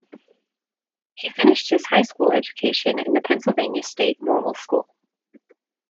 He finished his high school education in the Pennsylvania State Normal School.